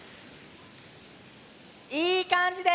いいかんじです！